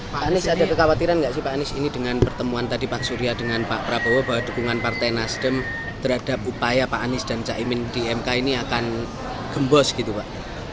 pak anies ada kekhawatiran nggak sih pak anies ini dengan pertemuan tadi pak surya dengan pak prabowo bahwa dukungan partai nasdem terhadap upaya pak anies dan caimin di mk ini akan gembos gitu pak